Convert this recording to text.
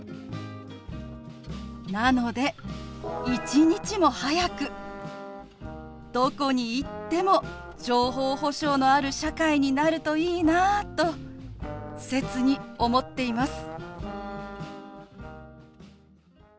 なので一日も早くどこに行っても情報保障のある社会になるといいなあと切に思っています。